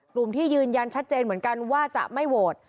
กลุ่มที่ยืนยันชัดเจนเหมือนกันว่าจะไม่โหวต